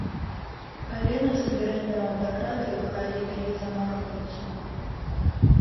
Але на суверэнную аўтакратыю хай лепей не замахваюцца.